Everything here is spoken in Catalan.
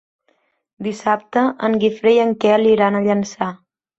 Dissabte en Guifré i en Quel iran a Llançà.